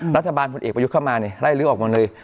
รัฐบาลผลเอกประยุทธ์เข้ามานี่ไล่ลื้อออกหมดเลย